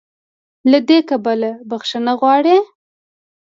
له دې کبله "بخښنه غواړي"